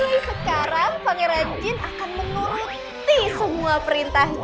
mulai sekarang pangeran jeanne akan menguruti semua perintah jeannie